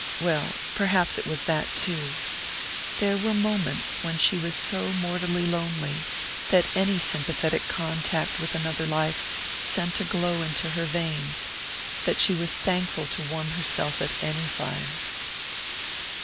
Well perhaps it was that too. There were moments when she was so mortally lonely that any sympathetic contact with another life sent a glow into her veins that she was thankful to warm herself at any fire.